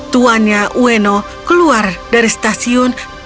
tuannya ueno keluar dari stasiun